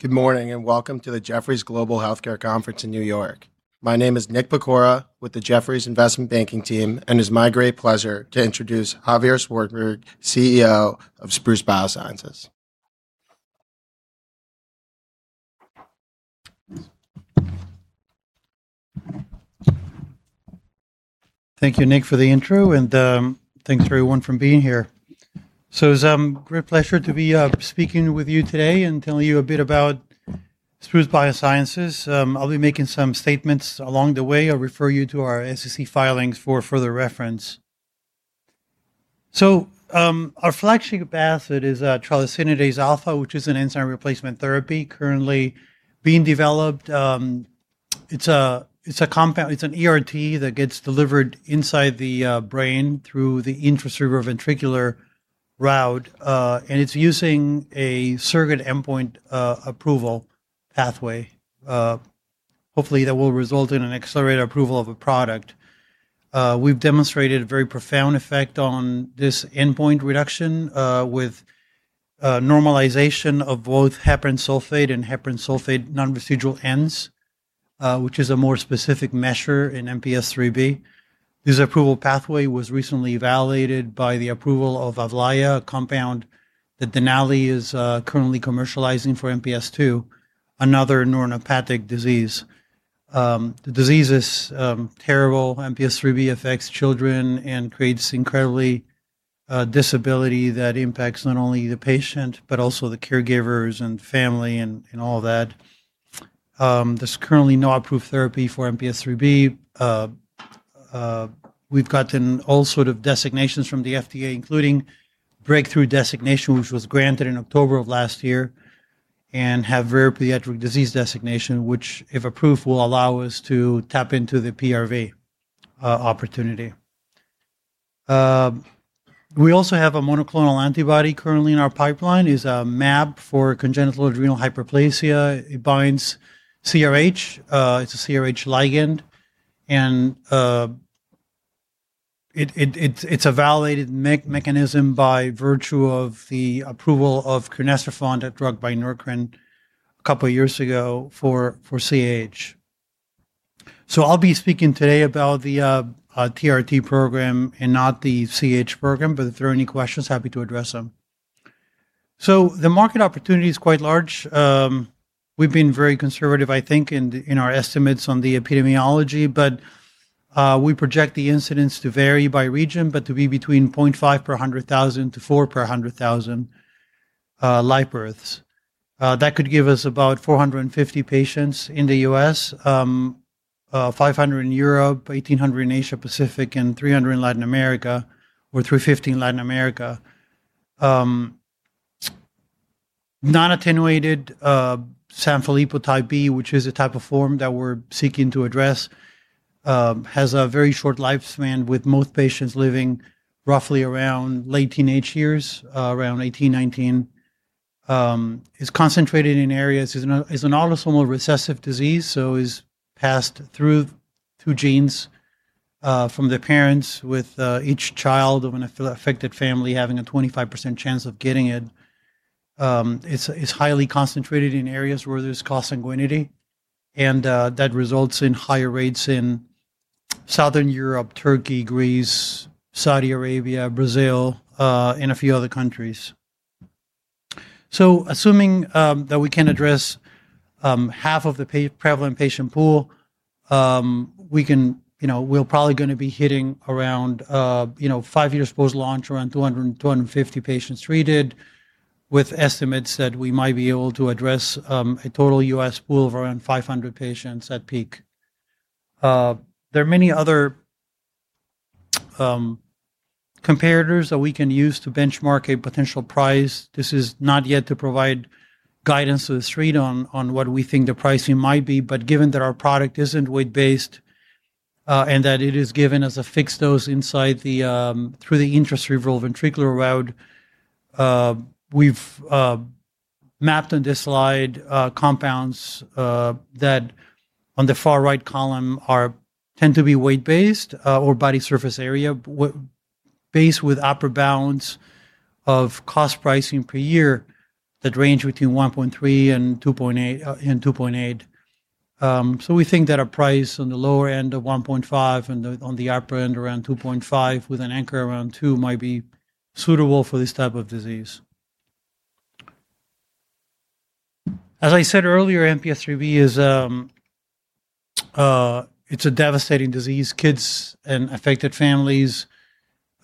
Good morning, and welcome to the Jefferies Global Healthcare Conference in New York. My name is Nick Pecora with the Jefferies Investment Banking team. It's my great pleasure to introduce Javier Szwarcberg, CEO of Spruce Biosciences. Thank you, Nick, for the intro, and thanks everyone for being here. It's a great pleasure to be speaking with you today and telling you a bit about Spruce Biosciences. I'll be making some statements along the way. I'll refer you to our SEC filings for further reference. Our flagship asset is tralesinidase alfa, which is an enzyme replacement therapy currently being developed. It's an ERT that gets delivered inside the brain through the intracerebroventricular route. It's using a surrogate endpoint approval pathway. Hopefully, that will result in an accelerated approval of a product. We've demonstrated a very profound effect on this endpoint reduction, with normalization of both heparan sulfate and heparan sulfate non-reducing ends, which is a more specific measure in MPS IIIB. This approval pathway was recently validated by the approval of AVLAYAH, a compound that Denali is currently commercializing for MPS II, another neuronopathic disease. The disease is terrible. MPS IIIB affects children and creates incredibly disability that impacts not only the patient, but also the caregivers and family and all that. There's currently no approved therapy for MPS IIIB. We've gotten all sorts of designations from the FDA, including Breakthrough designation, which was granted in October of last year, and have Rare Pediatric Disease designation, which, if approved, will allow us to tap into the PRV opportunity. We also have a monoclonal antibody currently in our pipeline. It's a mAb for congenital adrenal hyperplasia. It binds CRH. It's a CRH ligand, and it's a validated mechanism by virtue of the approval of crinecerfont, a drug by Neurocrine a couple of years ago for CAH. I'll be speaking today about the TA-ERT program and not the CAH program. If there are any questions, happy to address them. The market opportunity is quite large. We've been very conservative, I think, in our estimates on the epidemiology, but we project the incidence to vary by region, but to be between 0.5 per 100,000 to 4 per 100,000 live births. That could give us about 450 patients in the U.S., 500 in Europe, 1,800 in Asia Pacific, and 300 in Latin America, or 350 in Latin America. Non-attenuated Sanfilippo Type B, which is a type of form that we're seeking to address, has a very short lifespan, with most patients living roughly around late teenage years, around 18, 19. Is an autosomal recessive disease, is passed through genes from the parents with each child of an affected family having a 25% chance of getting it. It's highly concentrated in areas where there's consanguinity, and that results in higher rates in Southern Europe, Turkey, Greece, Saudi Arabia, Brazil, and a few other countries. Assuming that we can address half of the prevalent patient pool, we'll probably going to be hitting around five years post-launch around 200, 250 patients treated, with estimates that we might be able to address a total U.S. pool of around 500 patients at peak. There are many other comparators that we can use to benchmark a potential price. This is not yet to provide guidance to the street on what we think the pricing might be. Given that our product isn't weight based and that it is given as a fixed dose through the intracerebroventricular route, we've mapped on this slide compounds that on the far right column tend to be weight based or body surface area based with upper bounds of cost pricing per year that range between $1.3 million and $2.8 million. We think that a price on the lower end of $1.5 million and on the upper end around $2.5 million with an anchor around $2 million might be suitable for this type of disease. I said earlier, MPS IIIB it's a devastating disease. Kids and affected families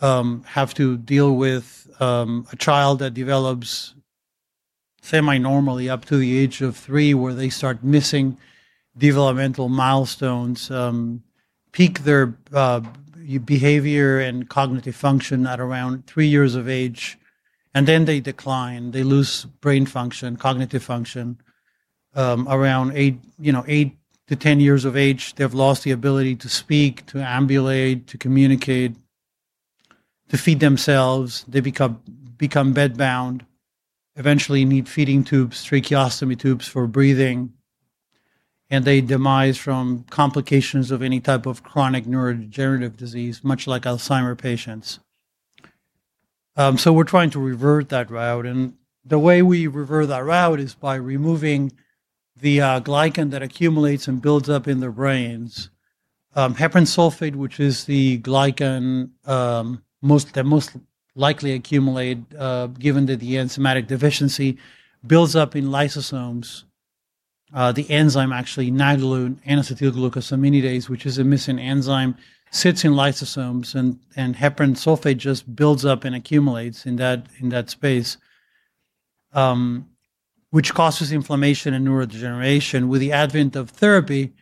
have to deal with a child that develops semi-normally up to the age of three where they start missing developmental milestones, peak their behavior and cognitive function at around three years of age, and then they decline. They lose brain function, cognitive function. Around 8-10 years of age, they've lost the ability to speak, to ambulate, to communicateto feed themselves. They become bedbound, eventually need feeding tubes, tracheostomy tubes for breathing, and they demise from complications of any type of chronic neurodegenerative disease, much like Alzheimer patients. We're trying to revert that route, and the way we revert that route is by removing the glycan that accumulates and builds up in their brains heparan sulfate, which is the glycan that most likely accumulate, given that the enzymatic deficiency builds up in lysosomes. The enzyme, actually, N-acetyl-α-D-glucosaminidase, which is a missing enzyme, sits in lysosomes, and heparan sulfate just builds up and accumulates in that space, which causes inflammation and neurodegeneration. With the advent of therapy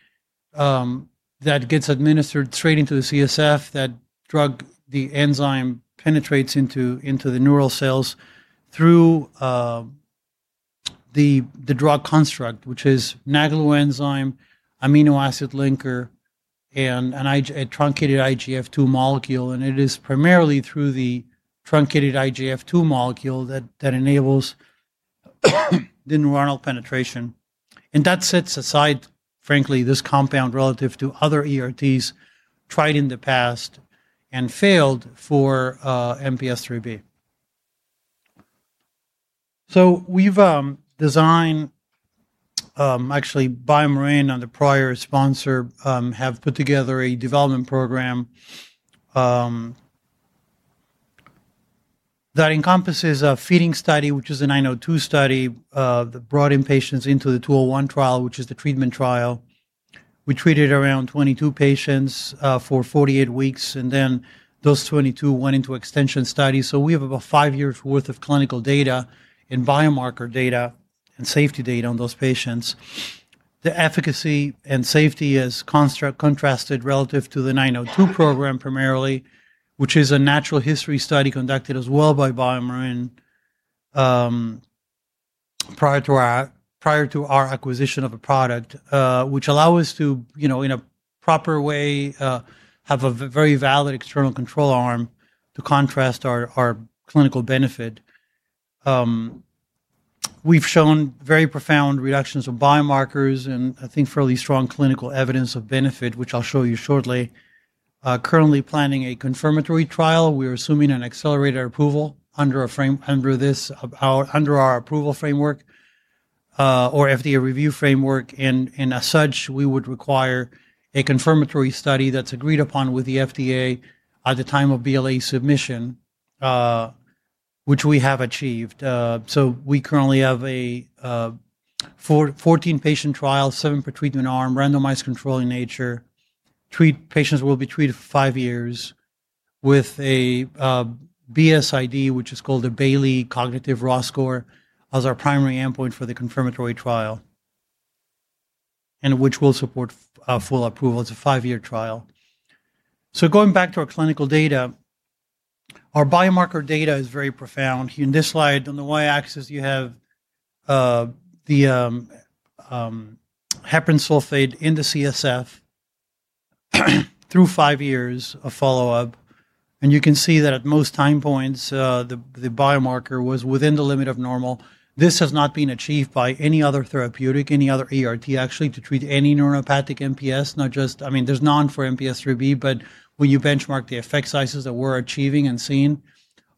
that gets administered straight into the CSF, that drug, the enzyme, penetrates into the neural cells through the drug construct, which is NAGLU enzyme, amino acid linker, and a truncated IGF2 molecule. It is primarily through the truncated IGF2 molecule that enables the neuronal penetration. That sets aside, frankly, this compound relative to other ERTs tried in the past and failed for MPS IIIB. We've designed, actually BioMarin on the prior sponsor, have put together a development program that encompasses a feeding study, which is a 902 study, that brought in patients into the 201 trial, which is the treatment trial. We treated around 22 patients for 48 weeks, those 22 went into extension studies. We have about five years' worth of clinical data and biomarker data and safety data on those patients. The efficacy and safety is contrasted relative to the 902 program primarily, which is a natural history study conducted as well by BioMarin prior to our acquisition of a product, which allow us to, in a proper way, have a very valid external control arm to contrast our clinical benefit. We've shown very profound reductions of biomarkers and I think fairly strong clinical evidence of benefit, which I'll show you shortly. Currently planning a confirmatory trial. We're assuming an accelerated approval under our approval framework, or FDA review framework. As such, we would require a confirmatory study that's agreed upon with the FDA at the time of BLA submission, which we have achieved. We currently have a 14-patient trial, seven per treatment arm, randomized controlled in nature. Patients will be treated five years with a BSID, which is called a Bayley Cognitive Raw Score, as our primary endpoint for the confirmatory trial, which will support our full approval. It's a five-year trial. Going back to our clinical data, our biomarker data is very profound. In this slide, on the y-axis, you have the heparan sulfate in the CSF through five years of follow-up, you can see that at most time points, the biomarker was within the limit of normal. This has not been achieved by any other therapeutic, any other ERT, actually, to treat any neuropathic MPS. There's none for MPS IIIB, when you benchmark the effect sizes that we're achieving and seeing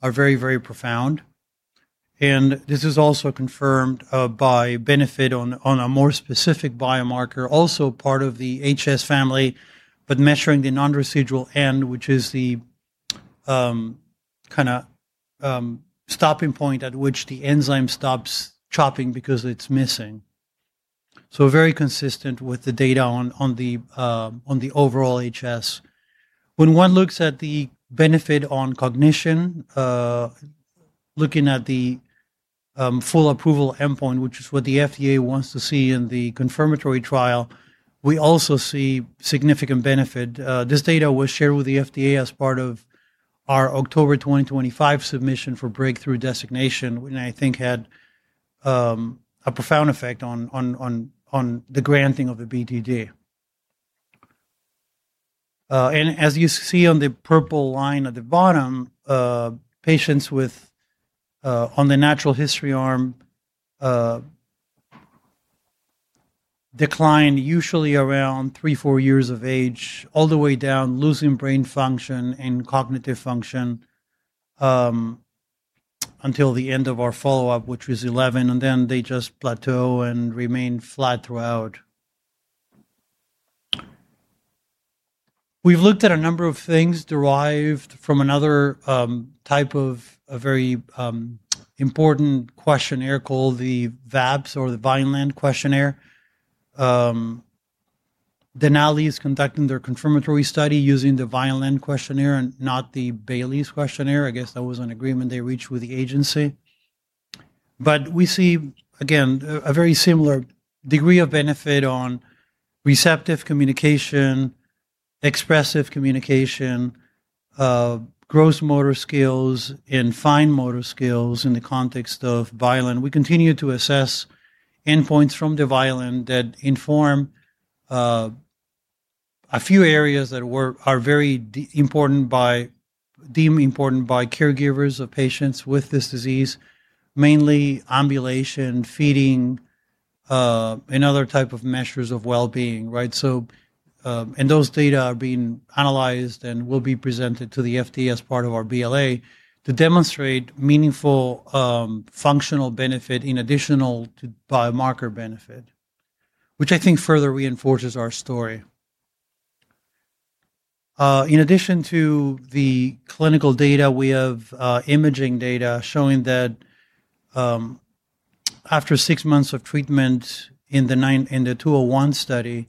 are very profound. This is also confirmed by benefit on a more specific biomarker, also part of the HS family, but measuring the non-reducing end, which is the stopping point at which the enzyme stops chopping because it's missing. Very consistent with the data on the overall HS. When one looks at the benefit on cognition, looking at the full approval endpoint, which is what the FDA wants to see in the confirmatory trial, we also see significant benefit. This data was shared with the FDA as part of our October 2025 submission for Breakthrough Designation, and I think had a profound effect on the granting of the BTD. As you see on the purple line at the bottom, patients on the natural history arm decline usually around three, four years of age, all the way down, losing brain function and cognitive function until the end of our follow-up, which was 11. They just plateau and remain flat throughout. We've looked at a number of things derived from another type of a very important questionnaire called the VABS or the Vineland questionnaire. Denali is conducting their confirmatory study using the Vineland questionnaire and not the Bayley's questionnaire. I guess that was an agreement they reached with the agency. We see, again, a very similar degree of benefit on receptive communication, expressive communication, gross motor skills, and fine motor skills in the context of Vineland. We continue to assess endpoints from the Vineland that inform a few areas that are very deemed important by caregivers of patients with this disease, mainly ambulation, feeding, and other type of measures of well-being. Those data are being analyzed and will be presented to the FDA as part of our BLA to demonstrate meaningful functional benefit in addition to biomarker benefit, which I think further reinforces our story. In addition to the clinical data, we have imaging data showing that after six months of treatment in the 201 study,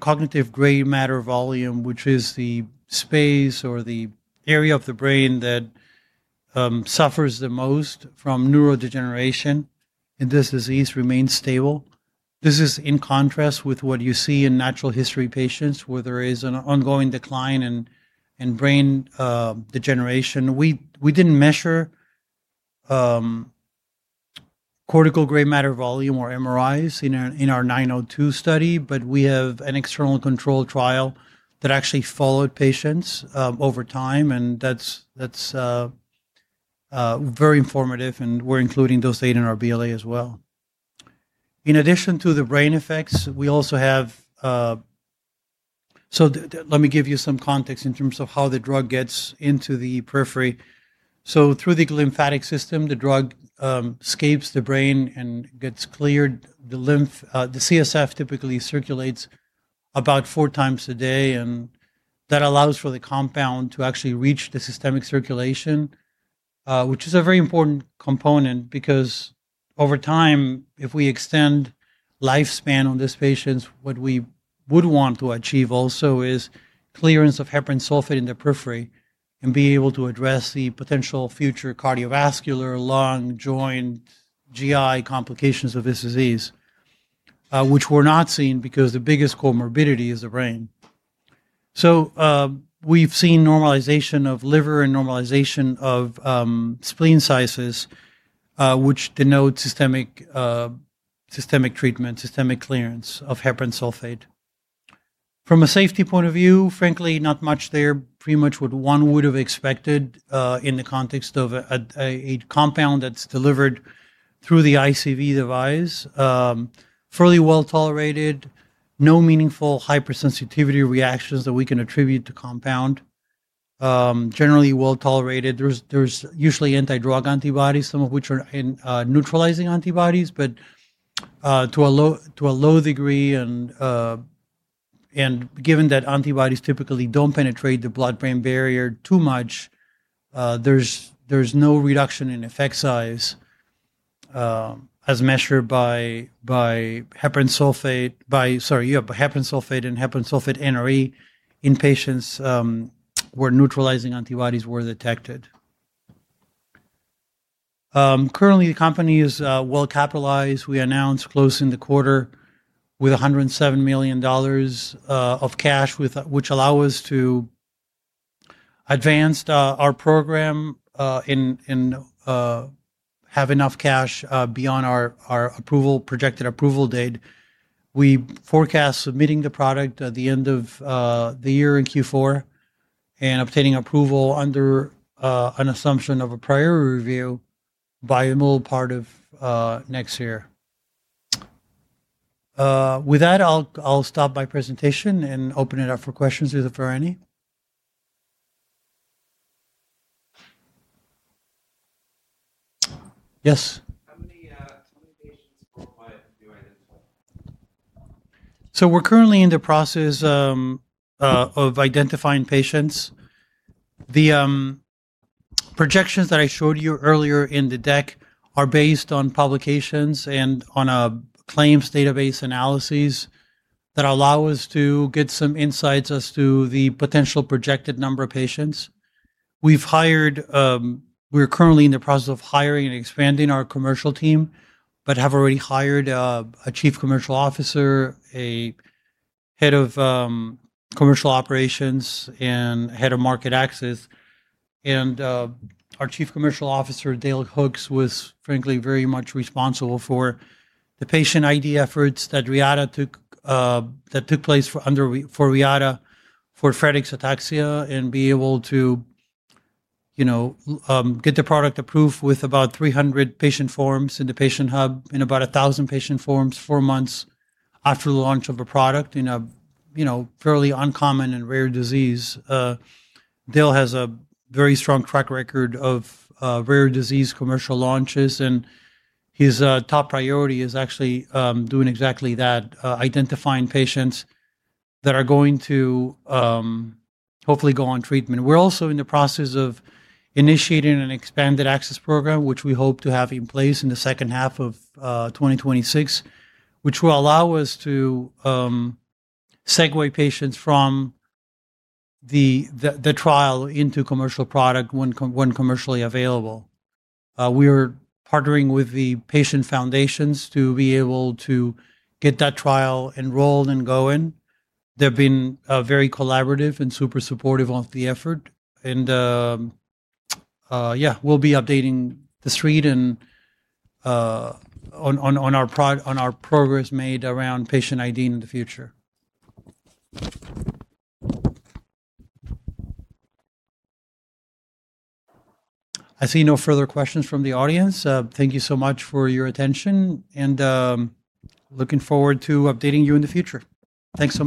cortical grey matter volume, which is the space or the area of the brain that suffers the most from neurodegeneration in this disease, remains stable. This is in contrast with what you see in natural history patients, where there is an ongoing decline in brain degeneration. We didn't measure cortical grey matter volume or MRIs in our 902 study, but we have an external control trial that actually followed patients over time, and that's very informative, and we're including those data in our BLA as well. Let me give you some context in terms of how the drug gets into the periphery. Through the glymphatic system, the drug escapes the brain and gets cleared. The CSF typically circulates about four times a day, and that allows for the compound to actually reach the systemic circulation, which is a very important component because, over time, if we extend lifespan on these patients, what we would want to achieve also is clearance of heparan sulfate in the periphery and be able to address the potential future cardiovascular, lung, joint, GI complications of this disease, which were not seen because the biggest comorbidity is the brain. We've seen normalization of liver and normalization of spleen sizes, which denote systemic treatment, systemic clearance of heparan sulfate. From a safety point of view, frankly, not much there. Pretty much what one would have expected in the context of a compound that's delivered through the ICV device. Fairly well-tolerated. No meaningful hypersensitivity reactions that we can attribute to compound. Generally well-tolerated. There's usually anti-drug antibodies, some of which are neutralizing antibodies, but to a low degree, and given that antibodies typically don't penetrate the blood-brain barrier too much, there's no reduction in effect size as measured by heparan sulfate and heparan sulfate NRE in patients where neutralizing antibodies were detected. Currently, the company is well-capitalized. We announced closing the quarter with $107 million of cash, which allow us to advance our program and have enough cash beyond our projected approval date. We forecast submitting the product at the end of the year in Q4 and obtaining approval under an assumption of a priority review by the middle part of next year. With that, I'll stop my presentation and open it up for questions if there are any. Yes. How many patients for pilot have you identified? We're currently in the process of identifying patients. The projections that I showed you earlier in the deck are based on publications and on claims database analyses that allow us to get some insights as to the potential projected number of patients. We're currently in the process of hiring and expanding our commercial team, but have already hired a Chief Commercial Officer, a head of commercial operations, and head of market access. Our Chief Commercial Officer, Dale Hooks, was frankly very much responsible for the patient ID efforts that took place for Reata, for Friedreich's ataxia, and be able to get the product approved with about 300 patient forms in the patient hub and about 1,000 patient forms four months after the launch of a product in a fairly uncommon and rare disease. Dale has a very strong track record of rare disease commercial launches, and his top priority is actually doing exactly that, identifying patients that are going to hopefully go on treatment. We're also in the process of initiating an expanded access program, which we hope to have in place in the second half of 2026, which will allow us to segue patients from the trial into commercial product when commercially available. We're partnering with the patient foundations to be able to get that trial enrolled and going. They've been very collaborative and super supportive of the effort. Yeah, we'll be updating the street on our progress made around patient ID in the future. I see no further questions from the audience. Thank you so much for your attention, and looking forward to updating you in the future. Thanks so much